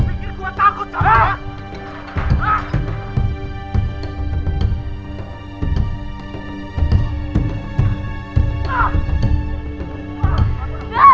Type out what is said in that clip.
mereka pasti gak berarti gak kebunyai